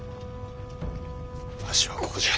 わしはここじゃ。